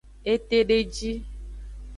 Etedeji.